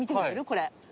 これ。